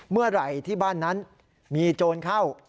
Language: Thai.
เมื่อไหร่ที่บ้านนั้นมีโจรเข้า